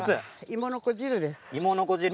いものこ汁です。